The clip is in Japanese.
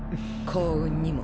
幸運にも。